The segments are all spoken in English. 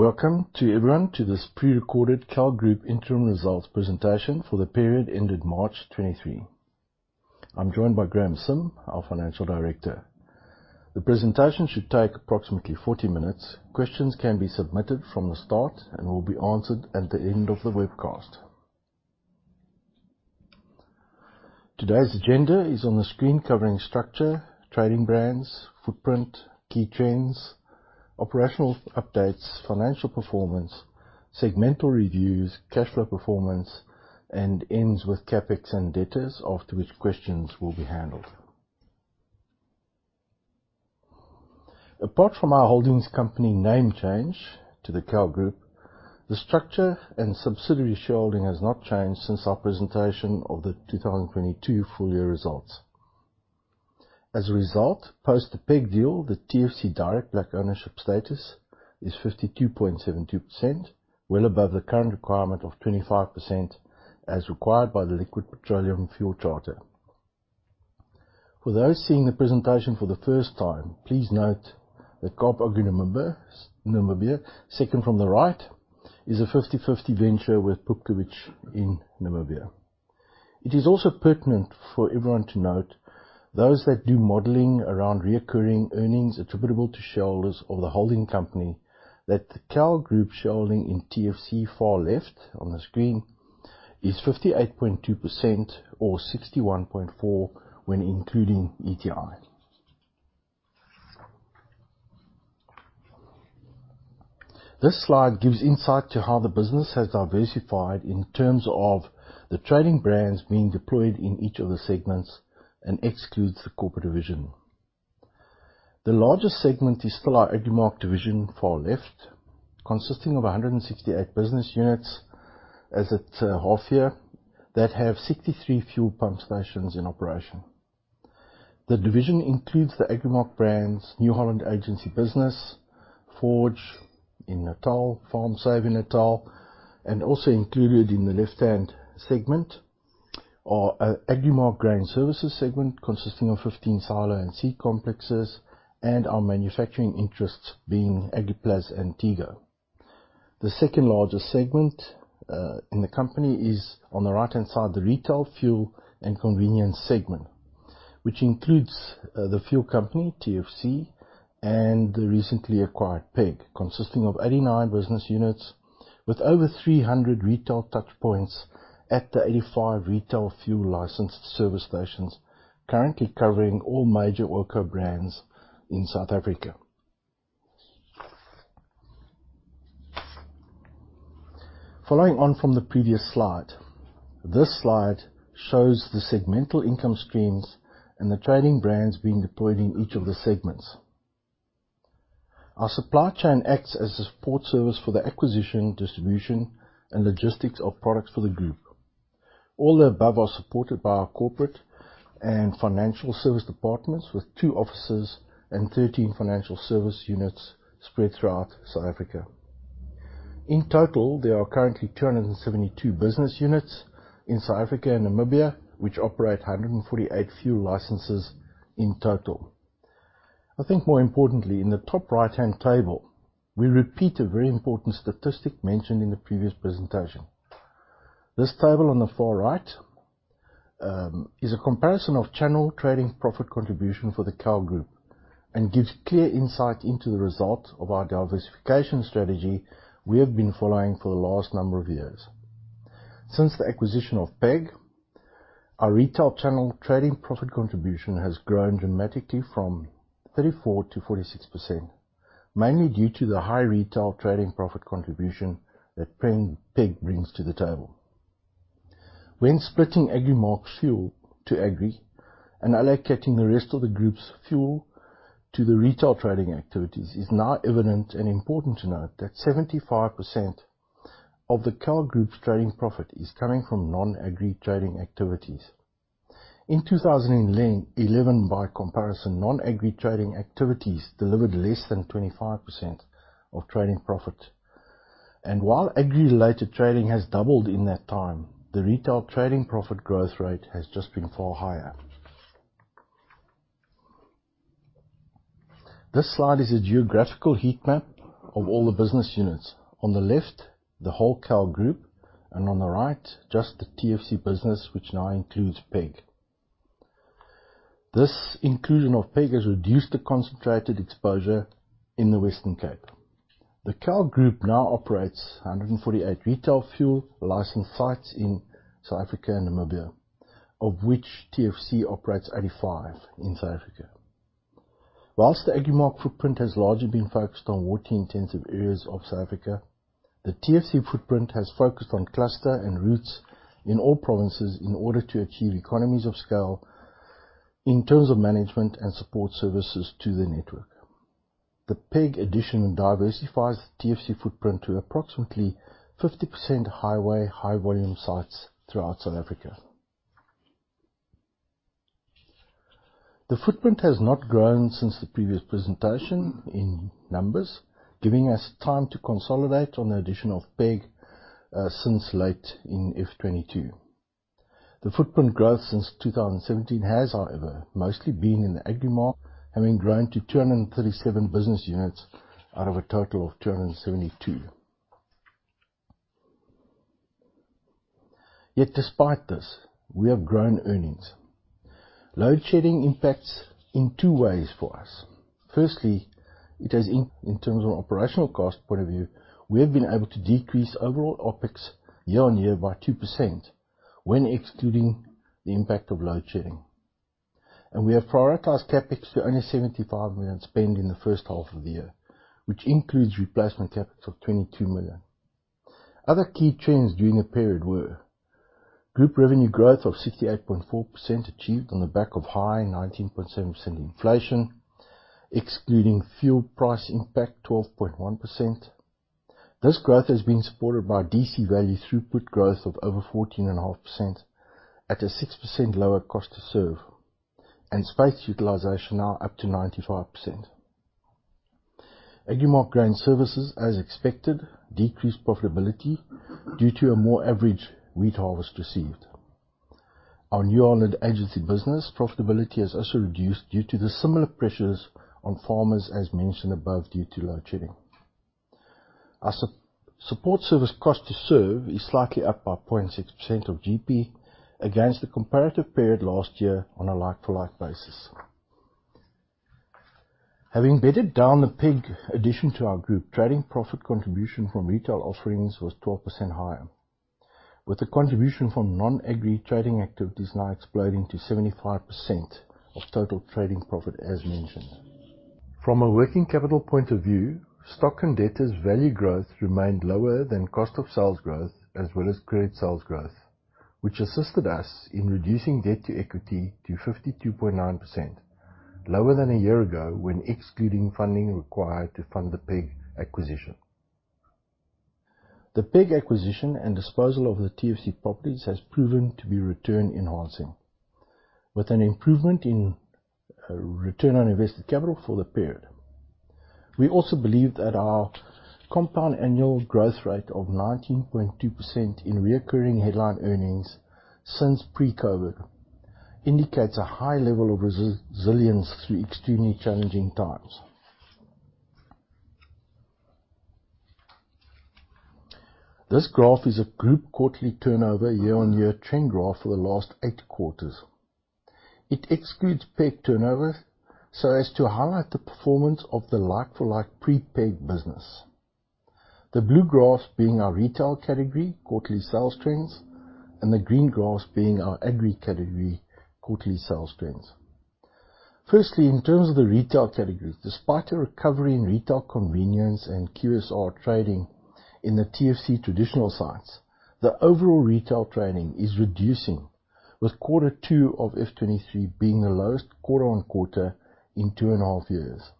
Welcome to everyone to this prerecorded KAL Group interim results presentation for the period ending March 23. I'm joined by Graeme Sim, our Financial Director. The presentation should take approximately 40 minutes. Questions can be submitted from the start and will be answered at the end of the webcast. Today's agenda is on the screen covering structure, trading brands, footprint, key trends, operational updates, financial performance, segmental reviews, cash flow performance, ends with CapEx and debtors, after which questions will be handled. Apart from our holdings company name change to the KAL Group, the structure and subsidiary shareholding has not changed since our presentation of the 2022 full-year results. As a result, post the PEG deal, the TFC direct black ownership status is 52.72%, well above the current requirement of 25% as required by the Liquid Fuels Charter. For those seeing the presentation for the first time, please note that Kaap Agri Namibia, second from the right, is a 50/50 venture with Pupkewitz in Namibia. It is also pertinent for everyone to note, those that do modeling around recurring earnings attributable to shareholders of the holding company, that the KAL Group shareholding in TFC, far left on the screen, is 58.2% or 61.4% when including ETI. This slide gives insight to how the business has diversified in terms of the trading brands being deployed in each of the segments and excludes the corporate division. The largest segment is still our Agrimark division, far left, consisting of 168 business units as it, half year that have 63 fuel pump stations in operation. The division includes the Agrimark brands, New Holland Agency business, Forge in Natal, FarmSave in Natal, also included in the left-hand segment are, Agrimark Grain Services segment consisting of 15 silo and seed complexes and our manufacturing interests being Agriplas and Tego. The second-largest segment in the company is on the right-hand side, the Retail Fuel & Convenience segment. Which includes The Fuel Company, TFC, and the recently acquired PEG, consisting of 89 business units with over 300 retail touchpoints at the 85 retail fuel licensed service stations currently covering all major oil co-brands in South Africa. Following on from the previous slide, this slide shows the segmental income streams and the trading brands being deployed in each of the segments. Our supply chain acts as a support service for the acquisition, distribution, and logistics of products for the group. All the above are supported by our corporate and financial service departments, with two offices and 13 financial service units spread throughout South Africa. In total, there are currently 272 business units in South Africa and Namibia, which operate 148 fuel licenses in total. I think more importantly, in the top right-hand table, we repeat a very important statistic mentioned in the previous presentation. This table on the far right is a comparison of channel trading profit contribution for the KAL Group and gives clear insight into the results of our diversification strategy we have been following for the last number of years. Since the acquisition of PEG, our retail channel trading profit contribution has grown dramatically from 34%-46%, mainly due to the high retail trading profit contribution that PEG brings to the table. When splitting Agrimark fuel to Agri and allocating the rest of the group's fuel to the retail trading activities, it's now evident and important to note that 75% of the KAL Group's trading profit is coming from non-Agri trading activities. In 2011 by comparison, non-Agri trading activities delivered less than 25% of trading profit. While Agri-related trading has doubled in that time, the retail trading profit growth rate has just been far higher. This slide is a geographical heat map of all the business units. On the left, the whole KAL Group, and on the right, just the TFC business, which now includes PEG. This inclusion of PEG has reduced the concentrated exposure in the Western Cape. The KAL Group now operates 148 retail fuel licensed sites in South Africa and Namibia, of which TFC operates 85 in South Africa. Whilst the Agrimark footprint has largely been focused on water-intensive areas of South Africa, the TFC footprint has focused on cluster and routes in all provinces in order to achieve economies of scale in terms of management and support services to the network. The PEG addition diversifies the TFC footprint to approximately 50% highway high volume sites throughout South Africa. The footprint has not grown since the previous presentation in numbers, giving us time to consolidate on the addition of PEG since late in F 2022. The footprint growth since 2017 has, however, mostly been in the Agrimark, having grown to 237 business units out of a total of 272. Despite this, we have grown earnings. Load shedding impacts in two ways for us. Firstly, it has in terms of operational cost point of view, we have been able to decrease overall OpEx year-on-year by 2% when excluding the impact of load shedding. We have prioritized CapEx to only 75 million spend in the first half of the year, which includes replacement CapEx of 22 million. Other key trends during the period were group revenue growth of 68.4% achieved on the back of high 19.7% inflation, excluding fuel price impact 12.1%. This growth has been supported by DC value throughput growth of over 14.5% at a 6% lower cost to serve, and space utilization now up to 95%. Agrimark Grain Services, as expected, decreased profitability due to a more average wheat harvest received. Our New Holland agency business profitability has also reduced due to the similar pressures on farmers, as mentioned above, due to load shedding. Our support service cost to serve is slightly up by 0.6% of GP against the comparative period last year on a like-for-like basis. Having bedded down the PEG addition to our group, trading profit contribution from retail offerings was 12% higher, with the contribution from non-Agri trading activities now exploding to 75% of total trading profit as mentioned. From a working capital point of view, stock and debtors value growth remained lower than cost of sales growth as well as credit sales growth, which assisted us in reducing debt to equity to 52.9%, lower than a year ago when excluding funding required to fund the PEG acquisition. The PEG acquisition and disposal of the TFC Properties has proven to be return-enhancing, with an improvement in return on invested capital for the period. We also believe that our compound annual growth rate of 19.2% in reoccurring headline earnings since pre-COVID indicates a high level of resilience through extremely challenging times. This graph is a group quarterly turnover year-on-year trend graph for the last eight quarters. It excludes PEG turnover so as to highlight the performance of the like-for-like pre-PEG business. The blue graphs being our retail category quarterly sales trends, and the green graphs being our agri category quarterly sales trends. Firstly, in terms of the retail category, despite a recovery in retail convenience and QSR trading in the TFC traditional sites, the overall retail trading is reducing, with Q2 of F 2023 being the lowest quarter-on-quarter in two and half years.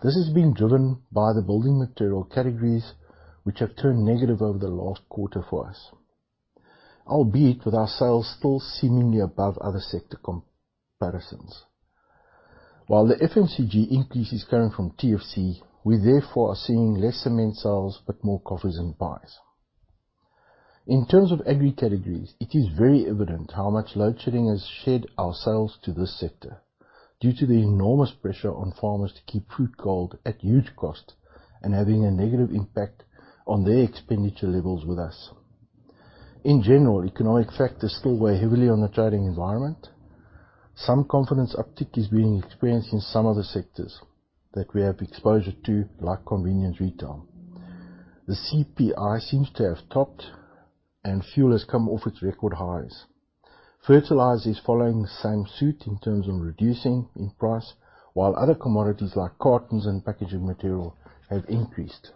This has been driven by the building material categories, which have turned negative over the last quarter for us, albeit with our sales still seemingly above other sector comparisons. While the FMCG increase is coming from TFC, we therefore are seeing less cement sales but more coffees and pies. In terms of agri categories, it is very evident how much load shedding has shed our sales to this sector due to the enormous pressure on farmers to keep food cold at huge cost and having a negative impact on their expenditure levels with us. In general, economic factors still weigh heavily on the trading environment. Some confidence uptick is being experienced in some of the sectors that we have exposure to, like convenience retail. The CPI seems to have topped and fuel has come off its record highs. Fertilizer is following same suit in terms of reducing in price, while other commodities like cartons and packaging material have increased.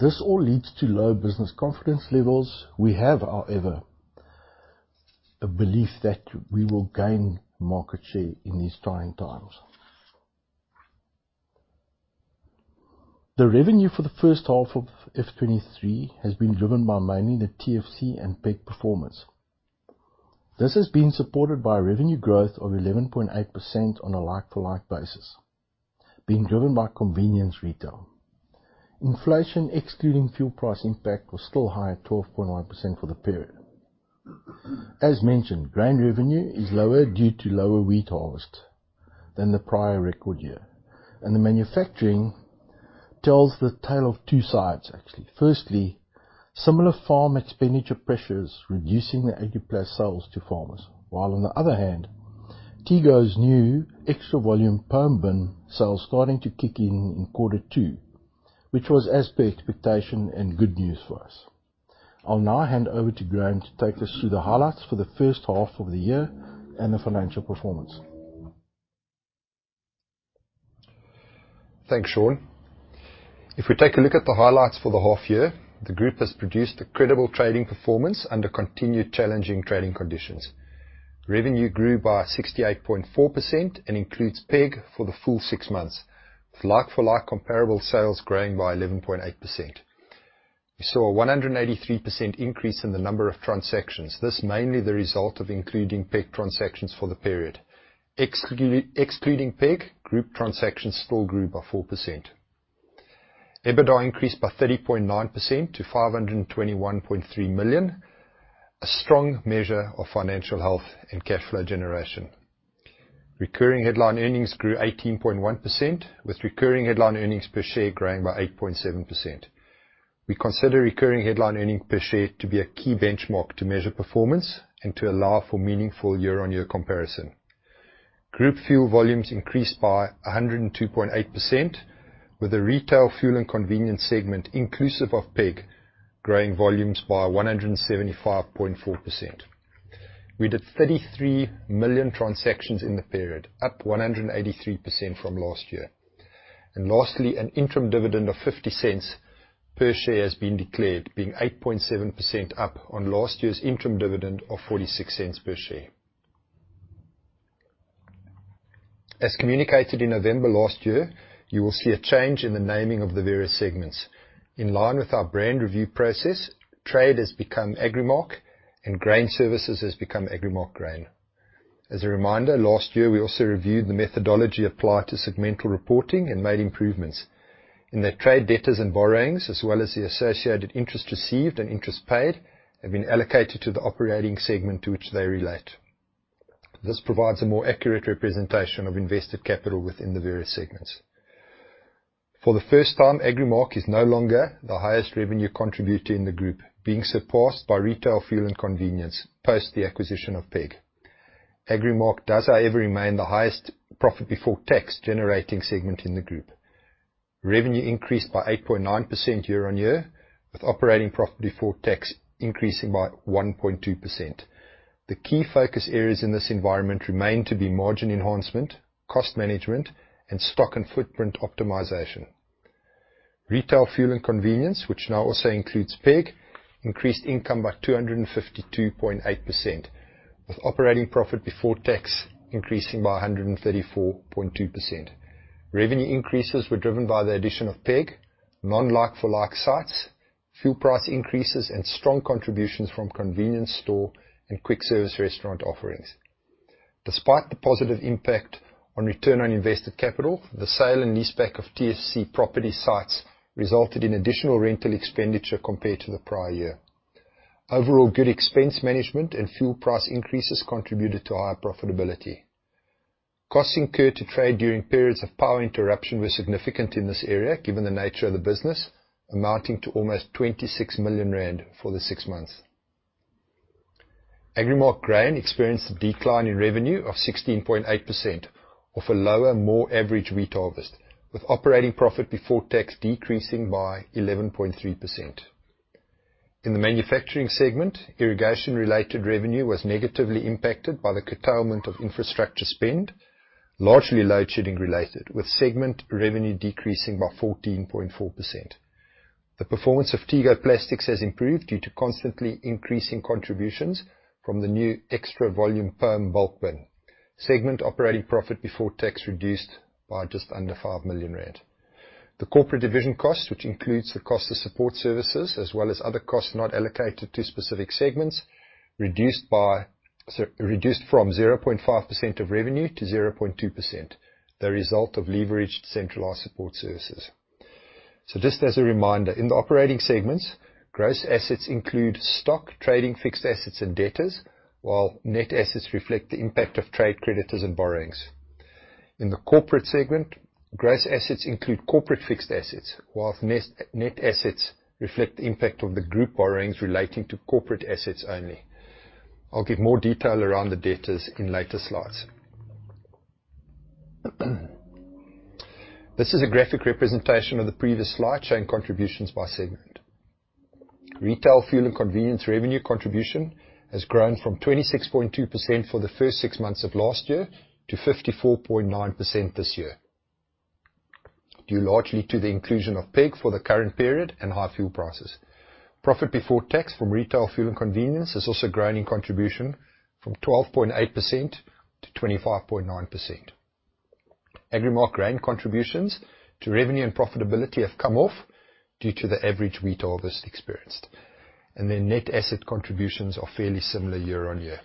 This all leads to low business confidence levels. We have, however, a belief that we will gain market share in these trying times. The revenue for the first half of F 2023 has been driven by mainly the TFC and PEG performance. This has been supported by revenue growth of 11.8% on a like-for-like basis, being driven by convenience retail. Inflation, excluding fuel price impact, was still high at 12.1% for the period. As mentioned, grain revenue is lower due to lower wheat harvest than the prior record year. The manufacturing tells the tale of two sides, actually. Firstly, similar farm expenditure pressures reducing the Agriplas sales to farmers. While on the other hand, Tego's new extra volume perm bin sales starting to kick in in Q2, which was as per expectation and good news for us. I'll now hand over to Graeme to take us through the highlights for the first half of the year and the financial performance. Thanks, Sean. If we take a look at the highlights for the half year, the group has produced a credible trading performance under continued challenging trading conditions. Revenue grew by 68.4% and includes PEG for the full six months, with like-for-like comparable sales growing by 11.8%. We saw a 183% increase in the number of transactions, this mainly the result of including PEG transactions for the period. excluding PEG, group transactions still grew by 4%. EBITDA increased by 30.9% to 521.3 million, a strong measure of financial health and cash flow generation. Recurring headline earnings grew 18.1%, with recurring headline earnings per share growing by 8.7%. We consider recurring headline earnings per share to be a key benchmark to measure performance and to allow for meaningful year-on-year comparison. Group fuel volumes increased by 102.8%, with the Retail Fuel & Convenience segment inclusive of PEG growing volumes by 175.4%. We did 33 million transactions in the period, up 183% from last year. Lastly, an interim dividend of 0.50 per share has been declared, being 8.7% up on last year's interim dividend of 0.46 per share. As communicated in November last year, you will see a change in the naming of the various segments. In line with our brand review process, Trade has become Agrimark, and Grain Services has become Agrimark Grain. As a reminder, last year, we also reviewed the methodology applied to segmental reporting and made improvements in the trade debtors and borrowings, as well as the associated interest received and interest paid have been allocated to the operating segment to which they relate. This provides a more accurate representation of invested capital within the various segments. For the first time, Agrimark is no longer the highest revenue contributor in the group, being surpassed by Retail Fuel & Convenience post the acquisition of PEG. Agrimark does however remain the highest profit before tax generating segment in the group. Revenue increased by 8.9% year-on-year, with operating profit before tax increasing by 1.2%. The key focus areas in this environment remain to be margin enhancement, cost management, and stock and footprint optimization. Retail Fuel and Convenience, which now also includes PEG, increased income by 252.8%, with operating profit before tax increasing by 134.2%. Revenue increases were driven by the addition of PEG, non like for like sites, fuel price increases, and strong contributions from convenience store and quick service restaurant offerings. Despite the positive impact on return on invested capital, the sale and leaseback of TFC property sites resulted in additional rental expenditure compared to the prior year. Overall, good expense management and fuel price increases contributed to higher profitability. Costs incurred to trade during periods of power interruption were significant in this area, given the nature of the business, amounting to almost 26 million rand for the six months. Agrimark Grain experienced a decline in revenue of 16.8% of a lower more average wheat harvest, with operating profit before tax decreasing by 11.3%. In the manufacturing segment, irrigation-related revenue was negatively impacted by the curtailment of infrastructure spend, largely load shedding related, with segment revenue decreasing by 14.4%. The performance of Tego Plastics has improved due to constantly increasing contributions from the new extra volume perm bulk bin. Segment operating profit before tax reduced by just under 5 million rand. The corporate division cost, which includes the cost of support services as well as other costs not allocated to specific segments, reduced from 0.5% of revenue to 0.2%, the result of leveraged centralized support services. Just as a reminder, in the operating segments, gross assets include stock, trading fixed assets, and debtors, while net assets reflect the impact of trade creditors and borrowings. In the corporate segment, gross assets include corporate fixed assets, net assets reflect the impact of the group borrowings relating to corporate assets only. I'll give more detail around the debtors in later slides. This is a graphic representation of the previous slide, showing contributions by segment. Retail Fuel & Convenience revenue contribution has grown from 26.2% for the first six months of last year to 54.9% this year, due largely to the inclusion of PEG for the current period and high fuel prices. Profit before tax from Retail Fuel & Convenience has also grown in contribution from 12.8% to 25.9%. Agrimark Grain contributions to revenue and profitability have come off due to the average wheat harvest experienced, and their net asset contributions are fairly similar year on year.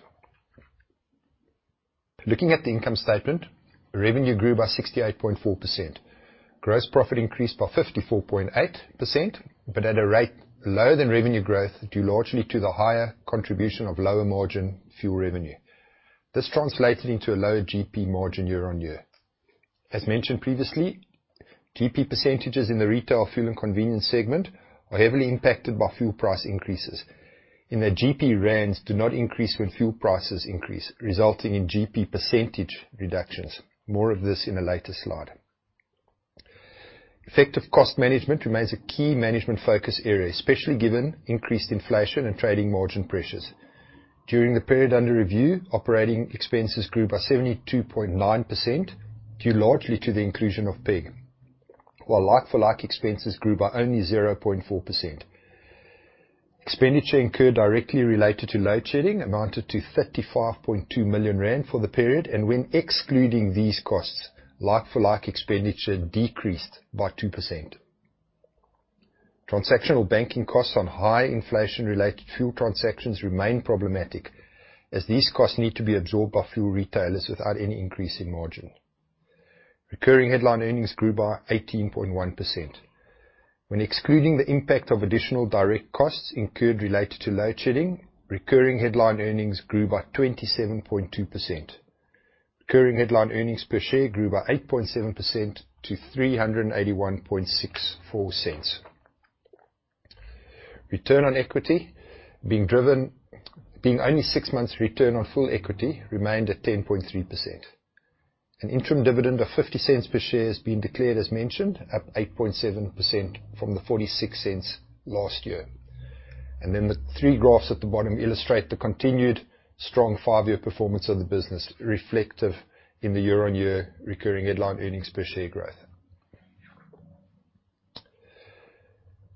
Looking at the income statement, Gross Profit grew by 68.4%. Gross Profit increased by 54.8%, but at a rate lower than revenue growth, due largely to the higher contribution of lower margin fuel revenue. This translated into a lower GP margin year on year. As mentioned previously, GP percentages in the Retail Fuel & Convenience segment are heavily impacted by fuel price increases. In the GP, rands do not increase when fuel prices increase, resulting in GP percentage reductions. More of this in a later slide. Effective cost management remains a key management focus area, especially given increased inflation and trading margin pressures. During the period under review, operating expenses grew by 72.9%, due largely to the inclusion of PEG, while like for like expenses grew by only 0.4%. Expenditure incurred directly related to load shedding amounted to 35.2 million rand for the period. When excluding these costs, like for like expenditure decreased by 2%. Transactional banking costs on high inflation-related fuel transactions remain problematic, as these costs need to be absorbed by fuel retailers without any increase in margin. Recurring headline earnings grew by 18.1%. When excluding the impact of additional direct costs incurred related to load shedding, recurring headline earnings grew by 27.2%. Recurring headline earnings per share grew by 8.7% to 381.64 cents. Return on equity being driven, being only six months return on full equity remained at 10.3%. An interim dividend of 0.50 per share has been declared as mentioned, up 8.7% from the 0.46 last year. The three graphs at the bottom illustrate the continued strong five-year performance of the business reflective in the year-on-year recurring headline earnings per share growth.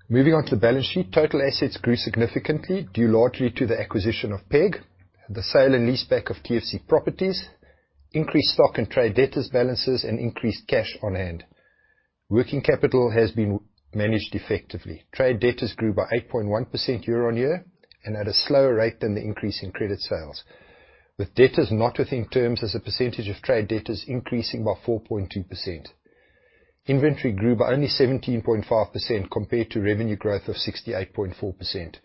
Moving on to the balance sheet, total assets grew significantly due largely to the acquisition of PEG, the sale and leaseback of TFC Properties, increased stock and trade debtors balances, and increased cash on hand. Working capital has been managed effectively. Trade debtors grew by 8.1% year-on-year and at a slower rate than the increase in credit sales, with debtors not within terms as a percentage of trade debtors increasing by 4.2%. Inventory grew by only 17.5% compared to revenue growth of 68.4%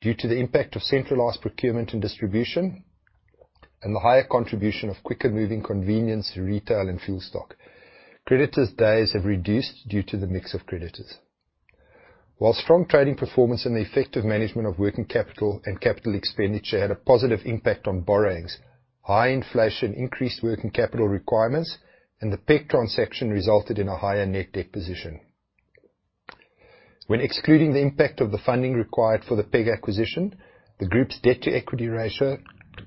due to the impact of centralized procurement and distribution, and the higher contribution of quicker moving convenience, retail, and fuel stock. Creditors days have reduced due to the mix of creditors. While strong trading performance and the effective management of working capital and capital expenditure had a positive impact on borrowings, high inflation increased working capital requirements and the PEG transaction resulted in a higher net debt position. When excluding the impact of the funding required for the PEG acquisition, the group's debt to equity ratio,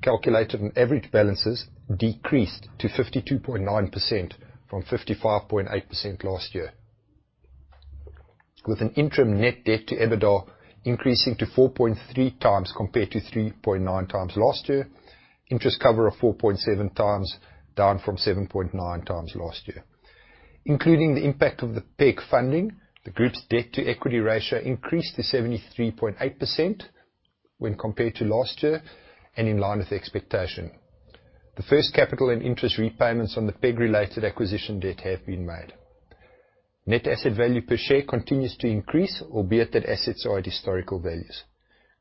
calculated from average balances, decreased to 52.9% from 55.8% last year, with an interim net debt to EBITDA increasing to 4.3x compared to 3.9x last year. Interest cover of 4.7x, down from 7.9x last year. Including the impact of the PEG funding, the group's debt to equity ratio increased to 73.8% when compared to last year and in line with expectation. The first capital and interest repayments on the PEG-related acquisition debt have been made. Net asset value per share continues to increase, albeit that assets are at historical values.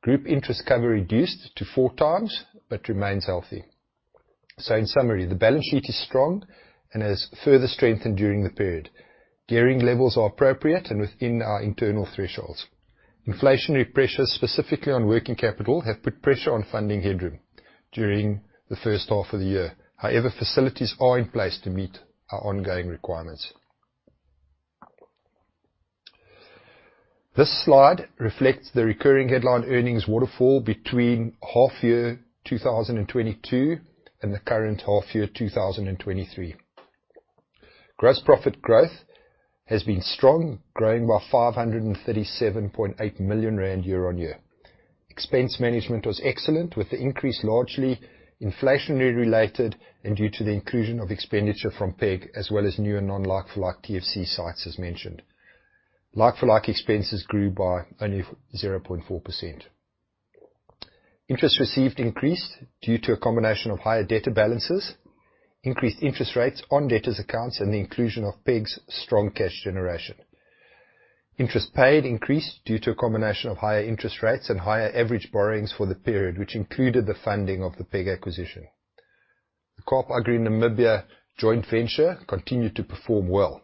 Group interest cover reduced to 4x, remains healthy. In summary, the balance sheet is strong and has further strengthened during the period. Gearing levels are appropriate and within our internal thresholds. Inflationary pressures, specifically on working capital, have put pressure on funding headroom during the first half of the year. However, facilities are in place to meet our ongoing requirements. This slide reflects the recurring headline earnings waterfall between half year 2022 and the current half year, 2023. Gross profit growth has been strong, growing by 537.8 million rand year-on-year. Expense management was excellent, with the increase largely inflationary related and due to the inclusion of expenditure from PEG, as well as new and non-like for like TFC sites as mentioned. Like for like expenses grew by only 0.4%. Interest received increased due to a combination of higher debtor balances, increased interest rates on debtors accounts, and the inclusion of PEG's strong cash generation. Interest paid increased due to a combination of higher interest rates and higher average borrowings for the period, which included the funding of the PEG acquisition. The Kaap Agri Namibia joint venture continued to perform well.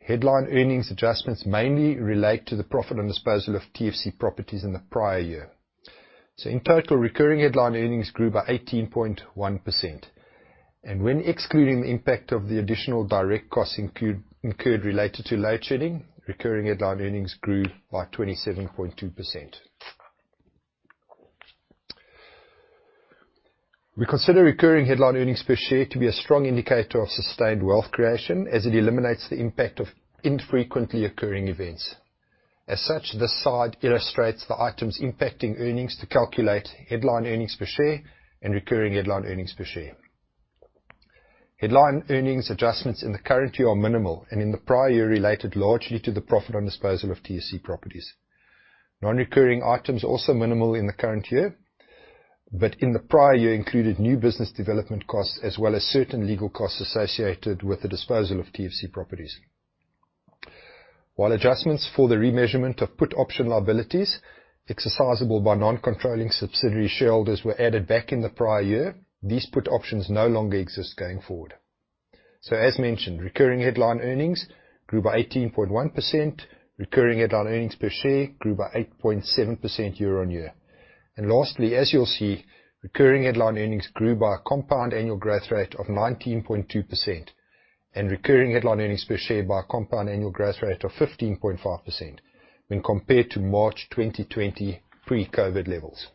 Headline earnings adjustments mainly relate to the profit on disposal of TFC properties in the prior year. In total, recurring headline earnings grew by 18.1%. When excluding the impact of the additional direct costs incurred related to load shedding, recurring headline earnings grew by 27.2%. We consider recurring headline earnings per share to be a strong indicator of sustained wealth creation, as it eliminates the impact of infrequently occurring events. As such, this slide illustrates the items impacting earnings to calculate headline earnings per share and recurring headline earnings per share. Headline earnings adjustments in the current year are minimal, and in the prior year related largely to the profit on disposal of TFC properties. Non-recurring items also minimal in the current year, but in the prior year included new business development costs as well as certain legal costs associated with the disposal of TFC Properties. While adjustments for the remeasurement of put option liabilities exercisable by non-controlling subsidiary shareholders were added back in the prior year, these put options no longer exist going forward. As mentioned, recurring headline earnings grew by 18.1%. Recurring headline earnings per share grew by 8.7% year-on-year. Lastly, as you'll see, recurring headline earnings grew by a compound annual growth rate of 19.2%, and recurring headline earnings per share by a compound annual growth rate of 15.5% when compared to March 2020 pre-COVID levels.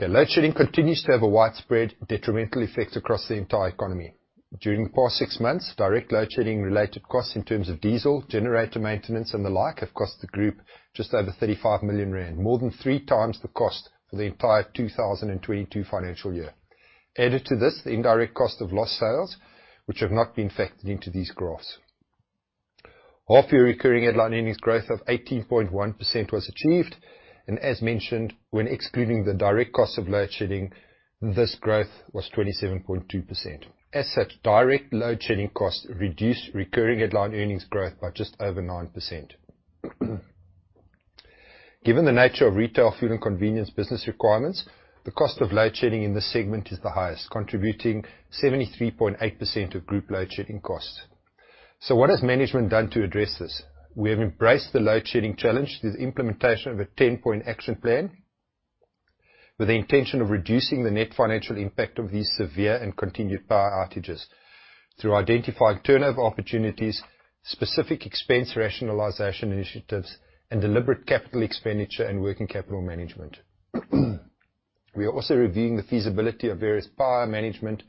The load shedding continues to have a widespread detrimental effect across the entire economy. During the past six months, direct load shedding related costs in terms of diesel, generator maintenance, and the like have cost the group just over 35 million rand, more than 3x the cost for the entire 2022 financial year. Added to this, the indirect cost of lost sales, which have not been factored into these graphs. Half year recurring headline earnings growth of 18.1% was achieved. As mentioned, when excluding the direct cost of load shedding, this growth was 27.2%. As such, direct load shedding costs reduced recurring headline earnings growth by just over 9%. Given the nature of Retail Fuel & Convenience business requirements, the cost of load shedding in this segment is the highest, contributing 73.8% of group load shedding costs. What has management done to address this? We have embraced the load shedding challenge with implementation of a 10-point action plan, with the intention of reducing the net financial impact of these severe and continued power outages through identified turnover opportunities, specific expense rationalization initiatives, and deliberate capital expenditure and working capital management. We are also reviewing the feasibility of various power management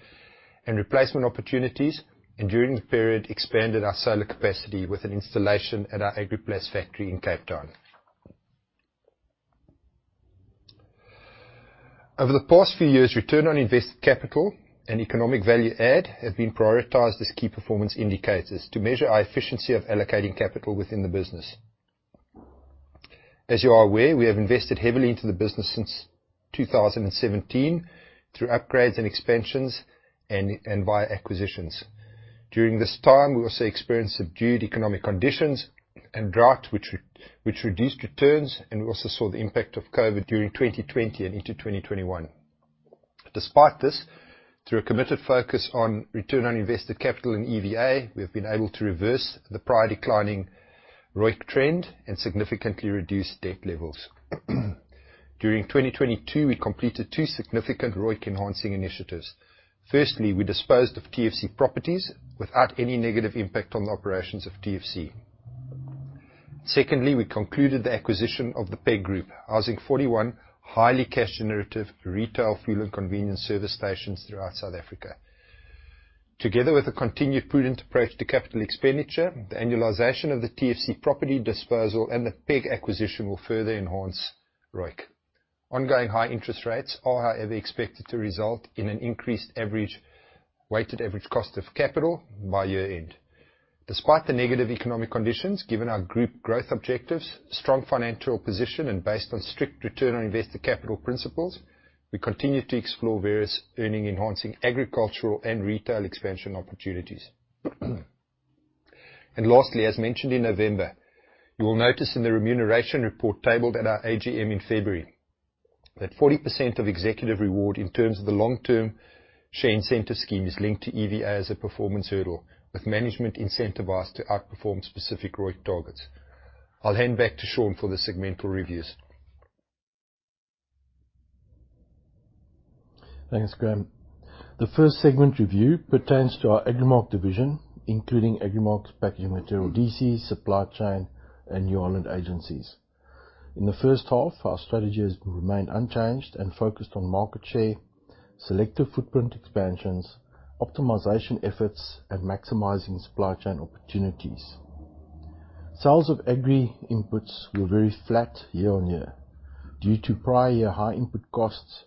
and replacement opportunities, and during the period expanded our solar capacity with an installation at our Agriplas factory in Cape Town. Over the past few years, return on invested capital and economic value add have been prioritized as key performance indicators to measure our efficiency of allocating capital within the business. As you are aware, we have invested heavily into the business since 2017 through upgrades and expansions and via acquisitions. During this time, we also experienced subdued economic conditions and drought which reduced returns, and we also saw the impact of COVID during 2020 and into 2021. Despite this, through a committed focus on return on invested capital and EVA, we have been able to reverse the prior declining ROIC trend and significantly reduce debt levels. During 2022, we completed two significant ROIC enhancing initiatives. Firstly, we disposed of TFC Properties without any negative impact on the operations of TFC. Secondly, we concluded the acquisition of the PEG Group, housing 41 highly cash generative retail fuel and convenience service stations throughout South Africa. Together with a continued prudent approach to capital expenditure, the annualization of the TFC Property disposal and the PEG acquisition will further enhance ROIC. Ongoing high interest rates are, however, expected to result in an increased weighted average cost of capital by year end. Despite the negative economic conditions, given our Group growth objectives, strong financial position, and based on strict return on invested capital principles, we continue to explore various earnings-enhancing agricultural and retail expansion opportunities. Lastly, as mentioned in November, you will notice in the remuneration report tabled at our AGM in February that 40% of executive reward in terms of the long-term share incentive scheme is linked to EVA as a performance hurdle, with management incentivized to outperform specific ROIC targets. I'll hand back to Sean for the segmental reviews. Thanks, Graeme. The first segment review pertains to our Agrimark division, including Agrimark's packaging material DC, supply chain, and New Holland agencies. In the first half, our strategy has remained unchanged and focused on market share, selective footprint expansions, optimization efforts, and maximizing supply chain opportunities. Sales of agri inputs were very flat year-on-year due to prior year high input costs,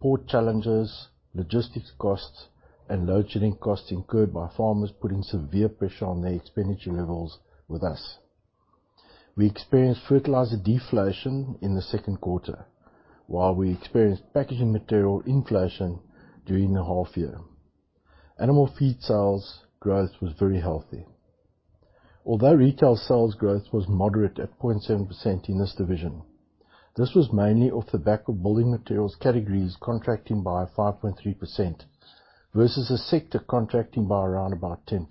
port challenges, logistics costs, and load shedding costs incurred by farmers putting severe pressure on their expenditure levels with us. We experienced fertilizer deflation in the Q2, while we experienced packaging material inflation during the half year. Animal feed sales growth was very healthy. Retail sales growth was moderate at 0.7% in this division, this was mainly off the back of building materials categories contracting by 5.3% versus a sector contracting by around about 10%,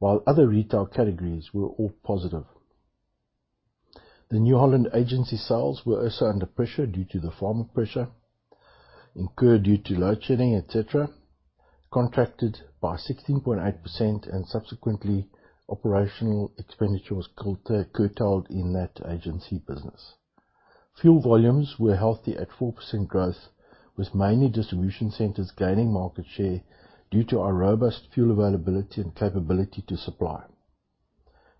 while other retail categories were all positive. The New Holland agency sales were also under pressure due to the farmer pressure incurred due to load shedding, et cetera, contracted by 16.8%. Subsequently, operational expenditure was curtailed in that agency business. Fuel volumes were healthy at 4% growth, with mainly distribution centers gaining market share due to our robust fuel availability and capability to supply.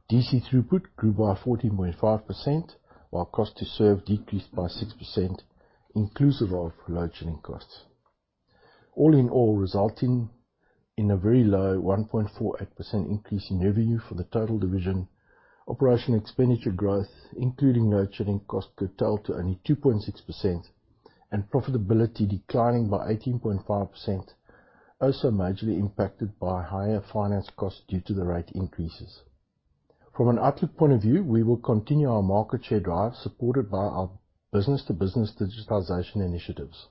DC throughput grew by 14.5%, while cost to serve decreased by 6%, inclusive of load shedding costs. All in all, resulting in a very low 1.48% increase in revenue for the total division. Operational expenditure growth, including load shedding cost, curtailed to only 2.6%, profitability declining by 18.5%, also majorly impacted by higher finance costs due to the rate increases. From an outlook point of view, we will continue our market share drive supported by our business to business digitization initiatives.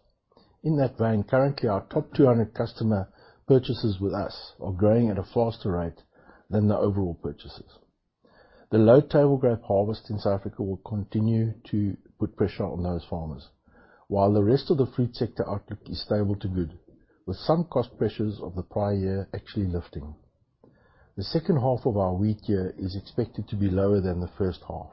In that vein, currently our top 200 customer purchases with us are growing at a faster rate than the overall purchases. The low table grape harvest in South Africa will continue to put pressure on those farmers, while the rest of the food sector outlook is stable to good, with some cost pressures of the prior year actually lifting. The second half of our wheat year is expected to be lower than the first half.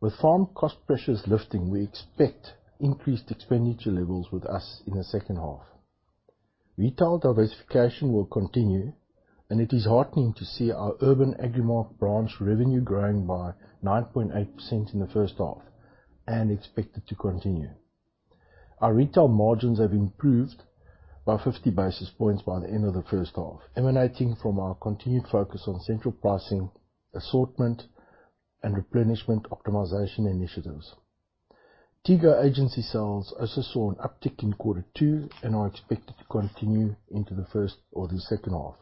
With farm cost pressures lifting, we expect increased expenditure levels with us in the second half. Retail diversification will continue. It is heartening to see our urban Agrimark branch revenue growing by 9.8% in the first half and expected to continue. Our retail margins have improved by 50 basis points by the end of the first half, emanating from our continued focus on central pricing, assortment, and replenishment optimization initiatives. Tego Agency sales also saw an uptick in Q2 and are expected to continue into the first or the second half.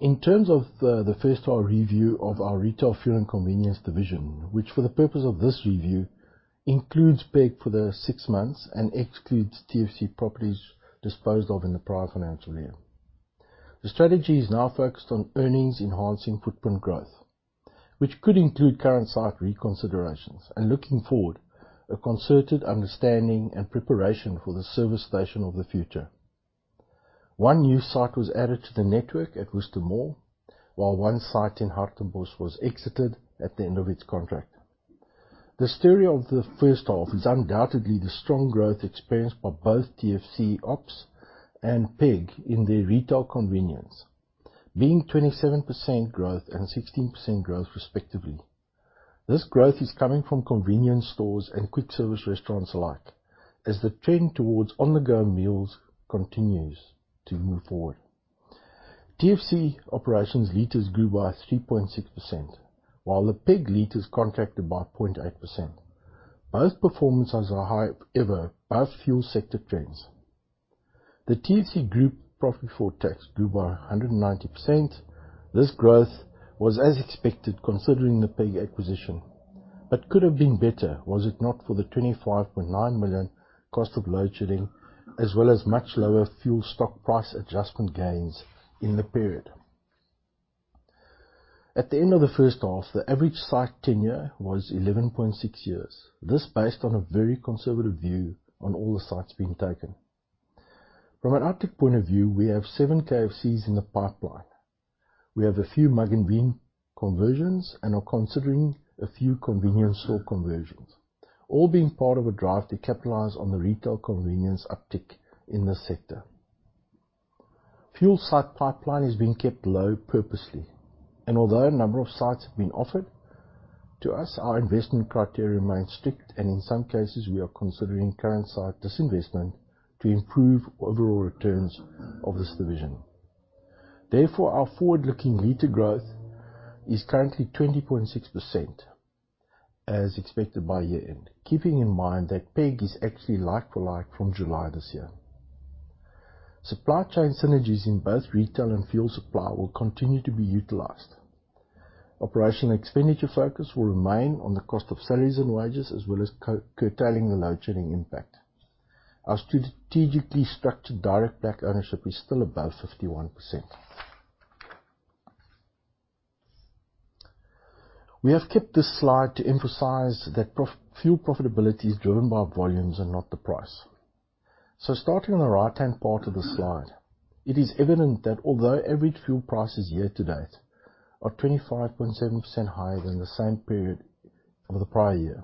In terms of the first half review of our Retail Fuel & Convenience division, which for the purpose of this review, includes PEG for the six months and excludes TFC Properties disposed of in the prior financial year. The strategy is now focused on earnings enhancing footprint growth, which could include current site reconsiderations and looking forward, a concerted understanding and preparation for the service station of the future. One new site was added to the network at Worcester Mall, while one site in Hartbeespoort was exited at the end of its contract. The story of the first half is undoubtedly the strong growth experienced by both TFC ops and PEG in their retail convenience, being 27% growth and 16% growth respectively. This growth is coming from convenience stores and quick service restaurants alike as the trend towards on-the-go meals continues to move forward. TFC operations liters grew by 3.6%, while the PEG liters contracted by 0.8%. Both performances are high ever above fuel sector trends. The TFC group profit for tax grew by 190%. This growth was as expected considering the PEG acquisition, could have been better was it not for the 25.9 million cost of load shedding, as well as much lower fuel stock price adjustment gains in the period. At the end of the first half, the average site tenure was 11.6 years. This based on a very conservative view on all the sites being taken. From an optic point of view, we have seven KFCs in the pipeline. We have a few Mugg & Bean conversions and are considering a few convenience store conversions, all being part of a drive to capitalize on the retail convenience uptick in this sector. Fuel site pipeline is being kept low purposely, and although a number of sites have been offered to us, our investment criteria remains strict, and in some cases, we are considering current site disinvestment to improve overall returns of this division. Our forward-looking liter growth is currently 20.6% as expected by year end. Keeping in mind that PEG is actually like for like from July this year. Supply chain synergies in both retail and fuel supply will continue to be utilized. Operational expenditure focus will remain on the cost of salaries and wages, as well as co-curtailing the load shedding impact. Our strategically structured direct black ownership is still above 51%. We have kept this slide to emphasize that fuel profitability is driven by volumes and not the price. Starting on the right-hand part of the slide, it is evident that although average fuel prices year to date are 25.7% higher than the same period of the prior year,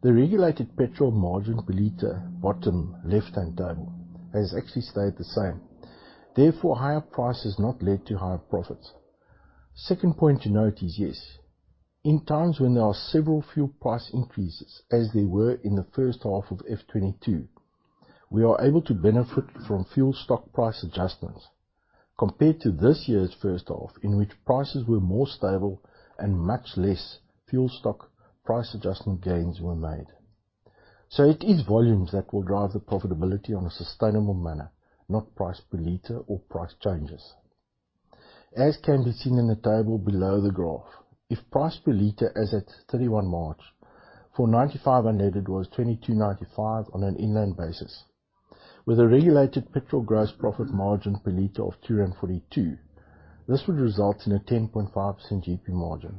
the regulated petrol margin per liter, bottom left-hand table, has actually stayed the same. Therefore, higher price has not led to higher profits. Second point to note is, yes, in times when there are several fuel price increases, as there were in the first half of F 2022, we are able to benefit from fuel stock price adjustments compared to this year's first half in which prices were more stable and much less fuel stock price adjustment gains were made. It is volumes that will drive the profitability on a sustainable manner, not price per liter or price changes. As can be seen in the table below the graph, if price per liter, as at 31 March for 95 unleaded was 22.95 on an inland basis, with a regulated petrol gross profit margin per liter of 2.42, this would result in a 10.5% GP margin.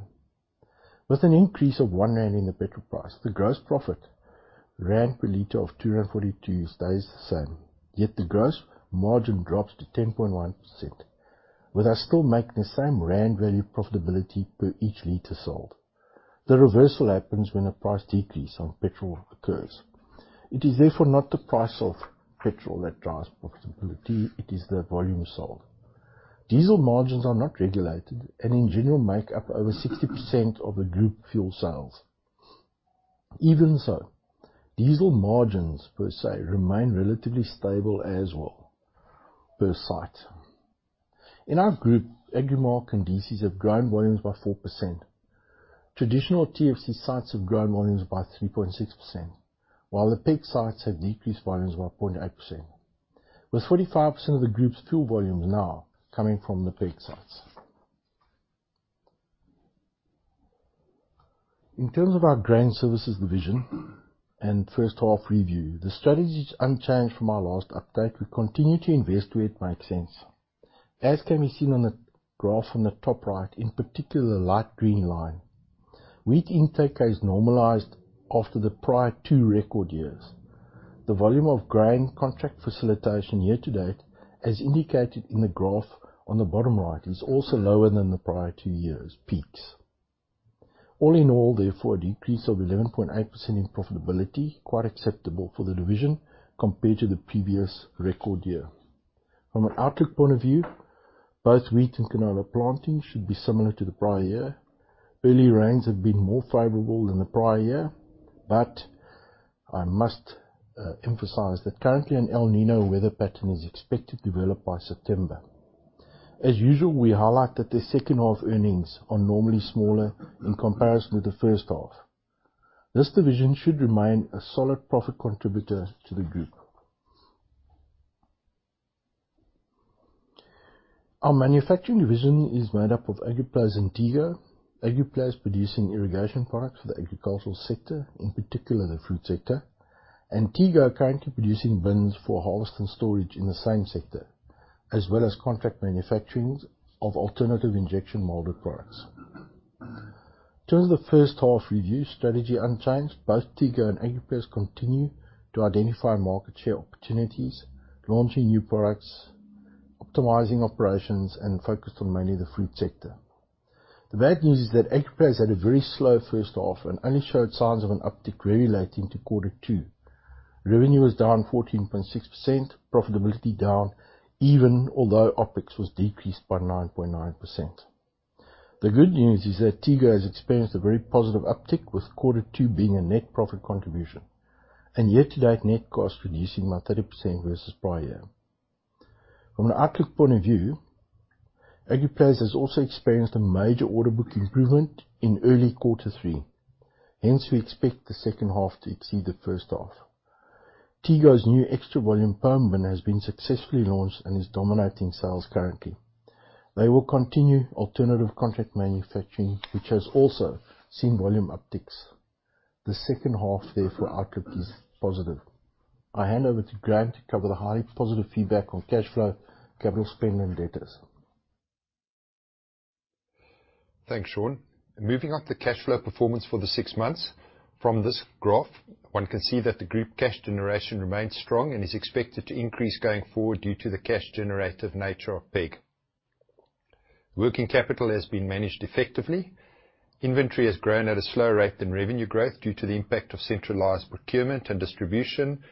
With an increase of 1 rand in the petrol price, the gross profit rand per liter of 2.42 stays the same, yet the gross margin drops to 10.1%, with us still making the same rand value profitability per each liter sold. The reversal happens when a price decrease on petrol occurs. It is therefore not the price of petrol that drives profitability, it is the volume sold. Diesel margins are not regulated, and in general, make up over 60% of the group fuel sales. Diesel margins per se remain relatively stable as well per site. In our group, Agrimark and DCs have grown volumes by 4%. Traditional TFC sites have grown volumes by 3.6%, while the PEG sites have decreased volumes by 0.8%, with 45% of the group's fuel volumes now coming from the PEG sites. In terms of our grain services division and first half review, the strategy is unchanged from our last update. We continue to invest where it makes sense. As can be seen on the graph on the top right, in particular the light green line, wheat intake has normalized after the prior two record years. The volume of grain contract facilitation year-to-date, as indicated in the graph on the bottom right, is also lower than the prior two years' peaks. All in all, therefore, a decrease of 11.8% in profitability, quite acceptable for the division compared to the previous record year. From an outlook point of view, both wheat and canola planting should be similar to the prior year. Early rains have been more favorable than the prior year, but I must emphasize that currently an El Niño weather pattern is expected to develop by September. As usual, we highlight that the second half earnings are normally smaller in comparison to the first half. This division should remain a solid profit contributor to the group. Our manufacturing division is made up of Agriplas and Tego. Agriplas producing irrigation products for the agricultural sector, in particular the food sector. Tego are currently producing bins for harvest and storage in the same sector, as well as contract manufacturing of alternative injection molded products. In terms of the first half review, strategy unchanged, both Tego and Agriplas continue to identify market share opportunities, launching new products, optimizing operations, and focused on mainly the food sector. The bad news is that Agriplas had a very slow first half and only showed signs of an uptick very late into Q2. Revenue was down 14.6%. Profitability down, even although OpEx was decreased by 9.9%. The good news is that Tego has experienced a very positive uptick, with Q2 being a net profit contribution, and year-to-date net costs reducing by 30% versus prior year. We expect the second half to exceed the first half. Tego's new extra volume perm bin has been successfully launched and is dominating sales currently. They will continue alternative contract manufacturing, which has also seen volume upticks. The second half, therefore, outlook is positive. I hand over to Graeme to cover the highly positive feedback on cash flow, capital spend, and debtors. Thanks, Sean. Moving on to cash flow performance for the six months. From this graph, one can see that the group cash generation remains strong and is expected to increase going forward due to the cash generative nature of PEG. Working capital has been managed effectively. Inventory has grown at a slower rate than revenue growth due to the impact of centralized procurement and distribution,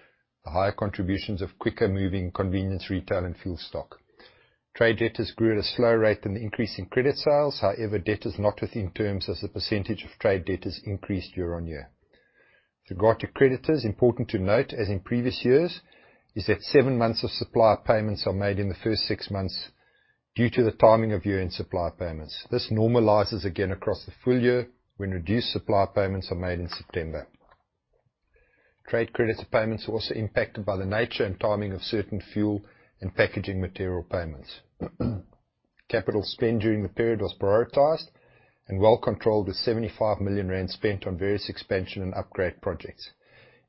the higher contributions of quicker moving convenience retail and fuel stock. Trade debtors grew at a slower rate than the increase in credit sales. However, debtors not within terms as a % of trade debtors increased year-on-year. With regard to creditors, important to note, as in previous years, is that 7 months of supplier payments are made in the first six months due to the timing of year-end supplier payments. This normalizes again across the full year when reduced supplier payments are made in September. Trade creditor payments are also impacted by the nature and timing of certain fuel and packaging material payments. CapEx during the period was prioritized and well controlled, with 75 million rand spent on various expansion and upgrade projects.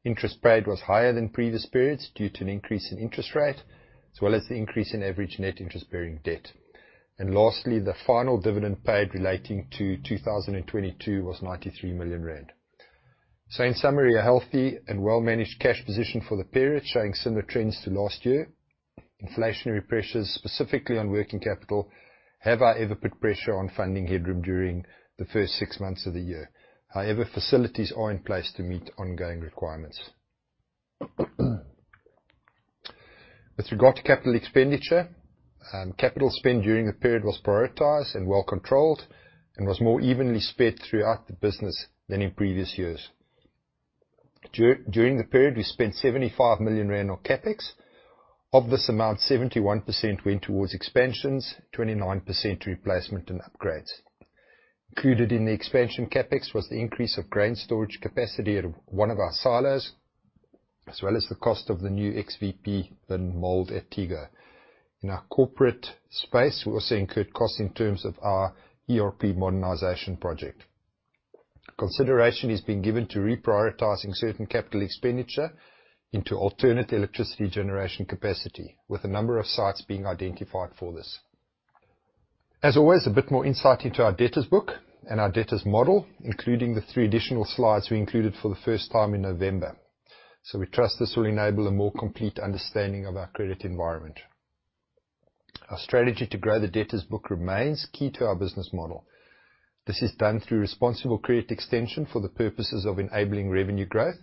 Interest paid was higher than previous periods due to an increase in interest rate, as well as the increase in average net interest-bearing debt. Lastly, the final dividend paid relating to 2022 was 93 million rand. In summary, a healthy and well-managed cash position for the period, showing similar trends to last year. Inflationary pressures, specifically on working capital, have however put pressure on funding headroom during the first 6 months of the year. Facilities are in place to meet ongoing requirements. With regard to capital expenditure, capital spend during the period was prioritized and well controlled and was more evenly spread throughout the business than in previous years. During the period, we spent 75 million rand on CapEx. Of this amount, 71% went towards expansions, 29% replacement and upgrades. Included in the expansion CapEx was the increase of grain storage capacity at one of our silos, as well as the cost of the new XVP bin mold at Tego. In our corporate space, we also incurred costs in terms of our ERP modernization project. Consideration is being given to reprioritizing certain capital expenditure into alternate electricity generation capacity, with a number of sites being identified for this. As always, a bit more insight into our debtors book and our debtors model, including the three additional slides we included for the first time in November. We trust this will enable a more complete understanding of our credit environment. Our strategy to grow the debtors book remains key to our business model. This is done through responsible credit extension for the purposes of enabling revenue growth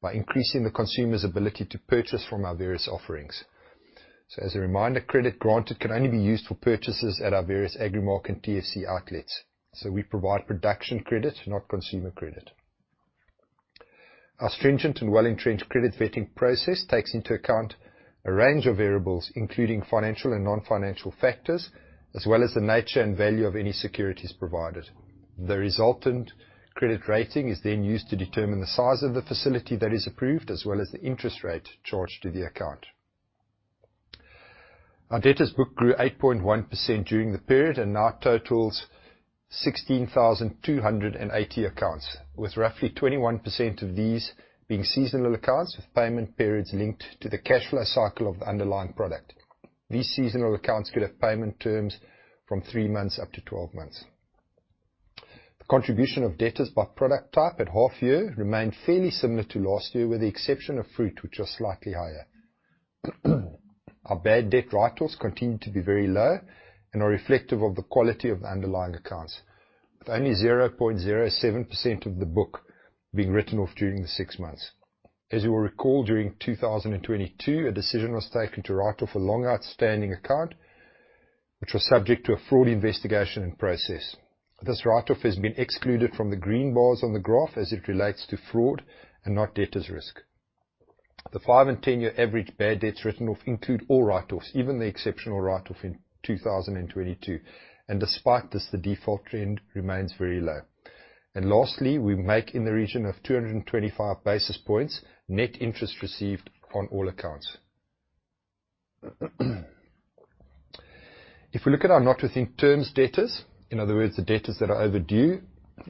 by increasing the consumer's ability to purchase from our various offerings. As a reminder, credit granted can only be used for purchases at our various Agrimark and TFC outlets. We provide production credit, not consumer credit. Our stringent and well-entrenched credit vetting process takes into account a range of variables, including financial and non-financial factors, as well as the nature and value of any securities provided. The resultant credit rating is then used to determine the size of the facility that is approved, as well as the interest rate charged to the account. Our debtors book grew 8.1% during the period and now totals 16,280 accounts, with roughly 21% of these being seasonal accounts with payment periods linked to the cash flow cycle of underlying product. These seasonal accounts could have payment terms from three months up to 12 months. The contribution of debtors by product type at half year remained fairly similar to last year, with the exception of fruit, which was slightly higher. Our bad debt write-offs continued to be very low and are reflective of the quality of the underlying accounts, with only 0.07% of the book being written off during the six months. You will recall, during 2022, a decision was taken to write off a long outstanding account which was subject to a fraud investigation and process. This write off has been excluded from the green bars on the graph as it relates to fraud and not debtors risk. The five and 10-year average bad debts written off include all write offs, even the exceptional write off in 2022. Despite this, the default trend remains very low. Lastly, we make in the region of 225 basis points net interest received on all accounts. If we look at our not within terms debtors, in other words, the debtors that are overdue,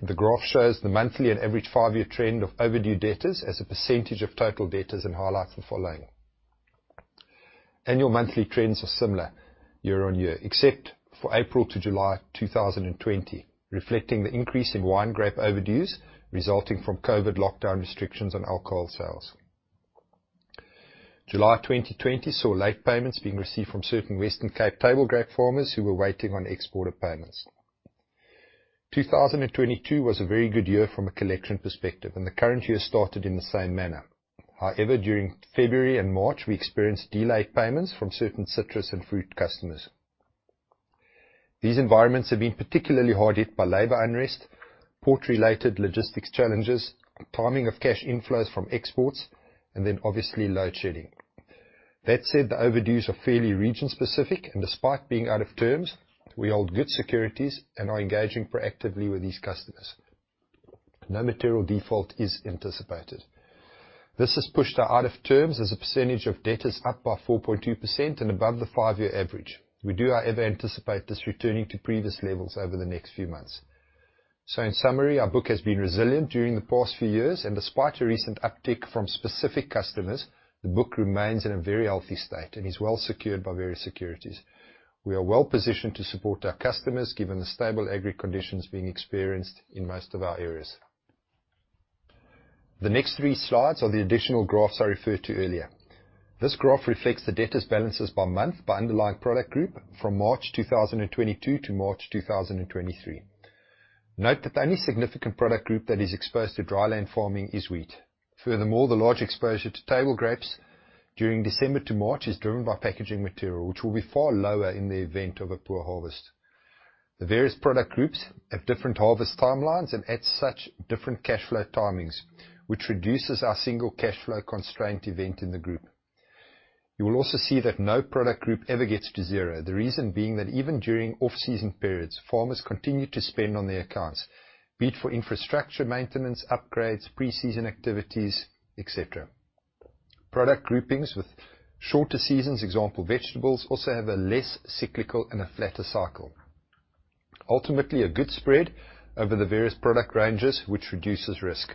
the graph shows the monthly and average five-year trend of overdue debtors as a percentage of total debtors and highlights the following. Annual monthly trends are similar year-on-year, except for April to July 2020, reflecting the increase in wine grape overdues resulting from COVID lockdown restrictions on alcohol sales. July 2020 saw late payments being received from certain Western Cape table grape farmers who were waiting on exporter payments. 2022 was a very good year from a collection perspective. The current year started in the same manner. However, during February and March, we experienced delayed payments from certain citrus and fruit customers. These environments have been particularly hard hit by labor unrest, port-related logistics challenges, timing of cash inflows from exports, and then obviously load shedding. That said, the overdues are fairly region-specific, and despite being out of terms, we hold good securities and are engaging proactively with these customers. No material default is anticipated. This has pushed our out of terms as a percentage of debtors up by 4.2% and above the five-year average. We do, however, anticipate this returning to previous levels over the next few months. In summary, our book has been resilient during the past few years, and despite a recent uptick from specific customers, the book remains in a very healthy state and is well secured by various securities. We are well-positioned to support our customers, given the stable agri conditions being experienced in most of our areas. The next three slides are the additional graphs I referred to earlier. This graph reflects the debtors balances by month by underlying product group from March 2022 to March 2023. Note that the only significant product group that is exposed to dry land farming is wheat. Furthermore, the large exposure to table grapes during December to March is driven by packaging material, which will be far lower in the event of a poor harvest. The various product groups have different harvest timelines and at such different cash flow timings, which reduces our single cash flow constraint event in the group. You will also see that no product group ever gets to zero. The reason being that even during off-season periods, farmers continue to spend on their accounts, be it for infrastructure maintenance, upgrades, pre-season activities, etc. Product groupings with shorter seasons, example, vegetables, also have a less cyclical and a flatter cycle. Ultimately, a good spread over the various product ranges, which reduces risk.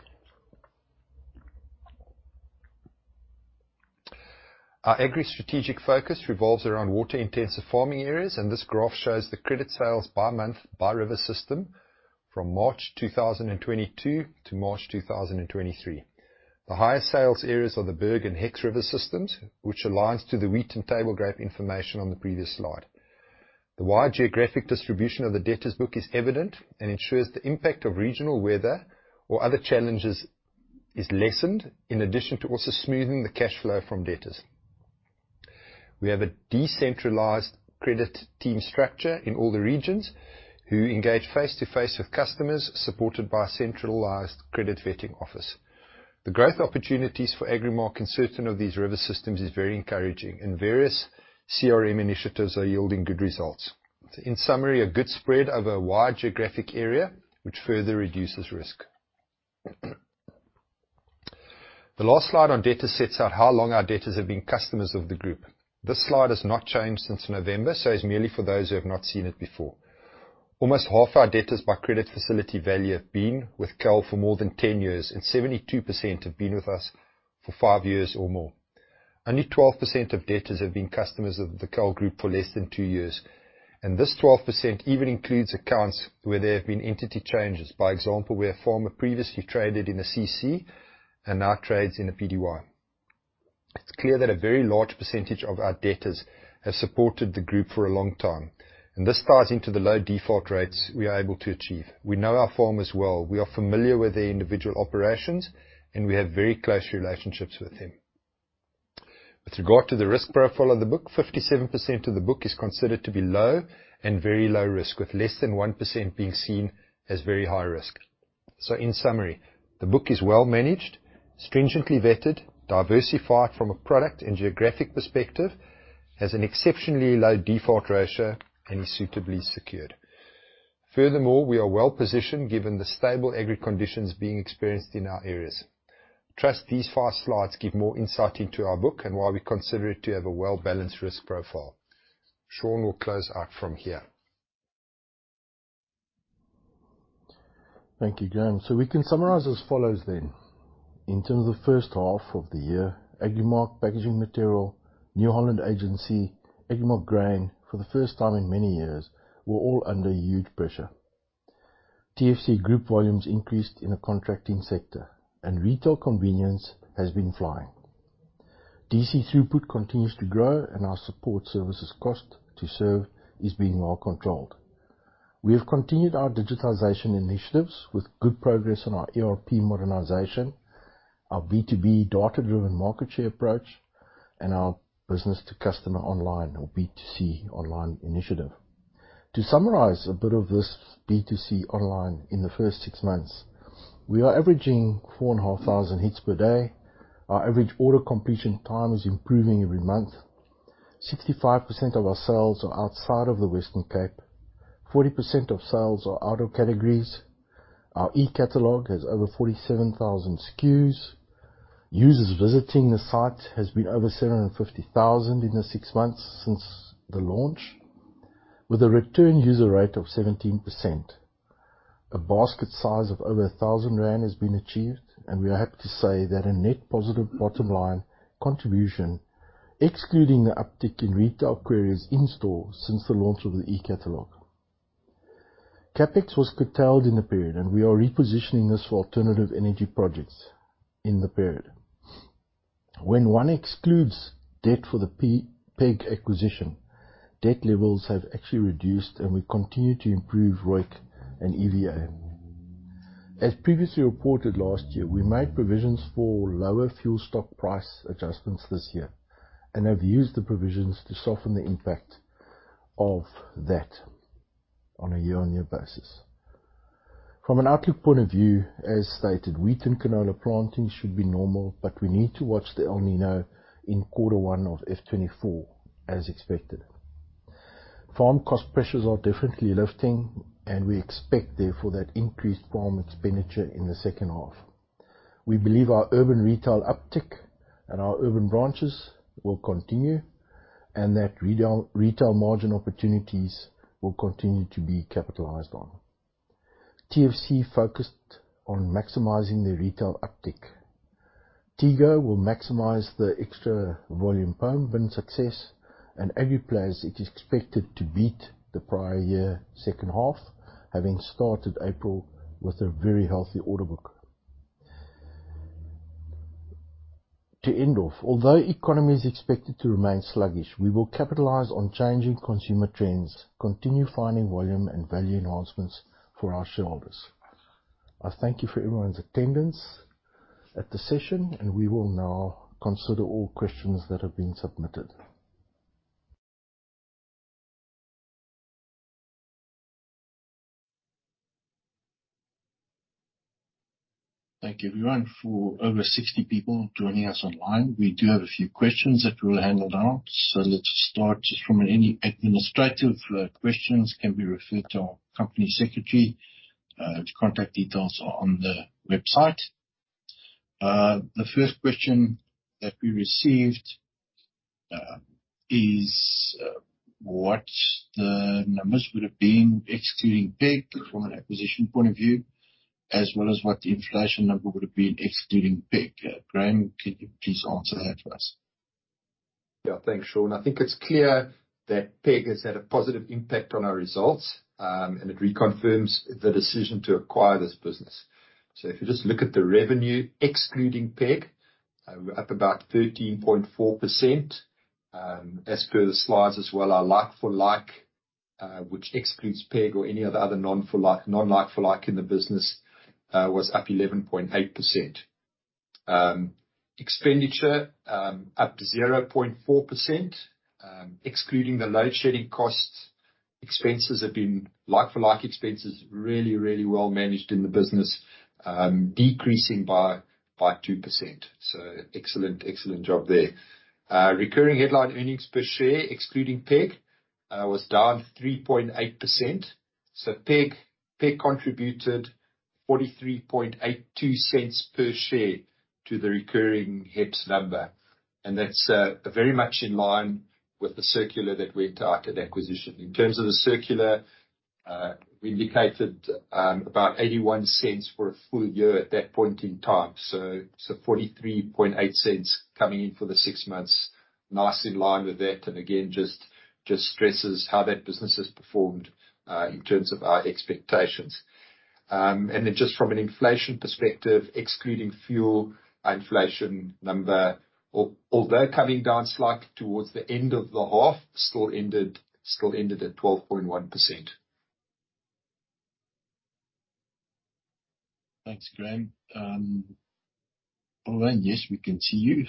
Our agri strategic focus revolves around water-intensive farming areas, and this graph shows the credit sales by month by river system from March 2022 to March 2023. The highest sales areas are the Berg and Hex River systems, which aligns to the wheat and table grape information on the previous slide. The wide geographic distribution of the debtors book is evident and ensures the impact of regional weather or other challenges is lessened in addition to also smoothing the cash flow from debtors. We have a decentralized credit team structure in all the regions who engage face-to-face with customers, supported by a centralized credit vetting office. The growth opportunities for Agrimark in certain of these river systems is very encouraging and various CRM initiatives are yielding good results. In summary, a good spread over a wide geographic area which further reduces risk. The last slide on debtors sets out how long our debtors have been customers of the group. This slide has not changed since November, so it's merely for those who have not seen it before. Almost half our debtors by credit facility value have been with KAL for more than 10 years, and 72% have been with us for five years or more. Only 12% of debtors have been customers of the KAL Group for less than two years, and this 12% even includes accounts where there have been entity changes, by example, where a farmer previously traded in a CC and now trades in a Pty. It's clear that a very large percentage of our debtors have supported the group for a long time, and this ties into the low default rates we are able to achieve. We know our farmers well. We are familiar with their individual operations, and we have very close relationships with them. With regard to the risk profile of the book, 57% of the book is considered to be low and very low risk, with less than 1% being seen as very high risk. In summary, the book is well managed, stringently vetted, diversified from a product and geographic perspective, has an exceptionally low default ratio, and is suitably secured. Furthermore, we are well-positioned given the stable agri conditions being experienced in our areas. Trust these five slides give more insight into our book and why we consider it to have a well-balanced risk profile. Sean will close out from here. Thank you, Graeme. We can summarize as follows. In terms of the first half of the year, Agrimark Packaging Material, New Holland Agency, Agrimark Grain, for the first time in many years, were all under huge pressure. TFC Group volumes increased in a contracting sector and Retail Convenience has been flying. D.C. throughput continues to grow, our support services cost to serve is being well controlled. We have continued our digitization initiatives with good progress on our ERP modernization, our B2B data-driven market share approach, and our business-to-customer online or B2C online initiative. To summarize a bit of this B2C online in the first six months, we are averaging 4,500 hits per day. Our average order completion time is improving every month. 65% of our sales are outside of the Western Cape. 40% of sales are auto categories. Our e-catalog has over 47,000 SKUs. Users visiting the site has been over 750,000 in the six months since the launch, with a return user rate of 17%. A basket size of over 1,000 rand has been achieved. We are happy to say that a net positive bottom line contribution, excluding the uptick in retail queries in store since the launch of the e-catalog. CapEx was curtailed in the period. We are repositioning this for alternative energy projects in the period. When one excludes debt for the PEG acquisition, debt levels have actually reduced. We continue to improve ROIC and EVA. As previously reported last year, we made provisions for lower fuel stock price adjustments this year and have used the provisions to soften the impact of that on a year-on-year basis. From an outlook point of view, as stated, wheat and canola planting should be normal, but we need to watch the El Niño in Q1 of F 24 as expected. Farm cost pressures are definitely lifting, and we expect, therefore, that increased farm expenditure in the second half. We believe our urban retail uptick and our urban branches will continue and that retail margin opportunities will continue to be capitalized on. TFC focused on maximizing the retail uptick. Tego will maximize the extra volume pump and success. Agriplas is expected to beat the prior year second half, having started April with a very healthy order book. To end off, although economy is expected to remain sluggish, we will capitalize on changing consumer trends, continue finding volume and value enhancements for our shareholders. I thank you for everyone's attendance at the session. We will now consider all questions that have been submitted. Thank you, everyone, for over 60 people joining us online. We do have a few questions that we'll handle now. Let's start from any administrative questions can be referred to our company secretary. The contact details are on the website. The first question that we received, is what the numbers would have been excluding PEG from an acquisition point of view, as well as what the inflation number would have been excluding PEG. Graeme, could you please answer that for us? Thanks, Sean. I think it's clear that PEG has had a positive impact on our results, and it reconfirms the decision to acquire this business. If you just look at the revenue excluding PEG, we're up about 13.4%. As per the slides as well, our like-for-like, which excludes PEG or any of the other non-like-for-like in the business, was up 11.8%. Expenditure, up to 0.4%, excluding the load shedding costs. Expenses have been like-for-like expenses, really well managed in the business, decreasing by 2%. Excellent job there. Recurring headline earnings per share, excluding PEG, was down 3.8%. PEG contributed 0.4382 per share to the recurring HEPS number, and that's very much in line with the circular that went out at acquisition. In terms of the circular, we indicated about 0.81 for a full year at that point in time 48.3 cents coming in for the six months, nice in line with that, and again, just stresses how that business has performed in terms of our expectations. Then just from an inflation perspective, excluding fuel and inflation number, although coming down slightly towards the end of the half, still ended at 12.1%. Thanks, Graeme. Yes, we can see you.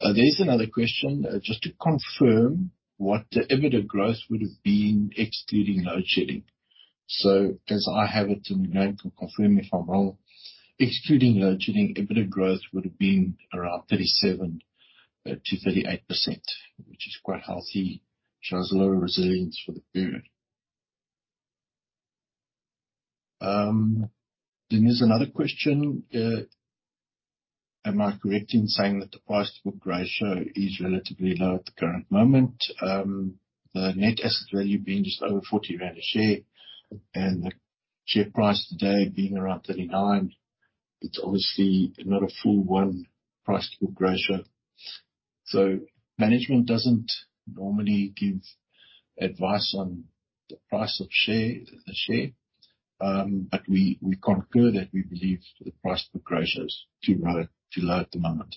There's another question. Just to confirm what the EBITDA growth would have been excluding load shedding. As I have it, and Graeme can confirm if I'm wrong, excluding load shedding, EBITDA growth would have been around 37-38%, which is quite healthy. Shows a lot of resilience for the period. There's another question. Am I correct in saying that the price-to-book ratio is relatively low at the current moment? The net asset value being just over 40 rand a share and the share price today being around 39, it's obviously not a full one price-to-book ratio. Management doesn't normally give advice on the price of share, but we concur that we believe the price-to-book ratio is too low at the moment.